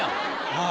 はい。